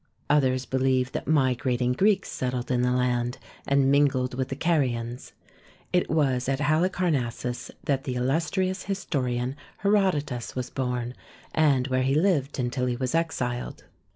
Others believe that migrating Greeks settled in the land, and mingled with the Carians. It was at Halicarnassus that the illus trious historian Herodotus was born, and where he lived until he was exiled.